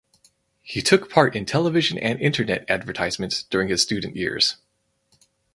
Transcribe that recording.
He took part in television and internet advertisements during his student years.